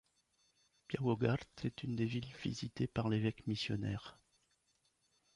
Białogard est une des villes visitées par l’évêque missionnaire.